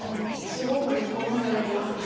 すごくヘコまされてますよね。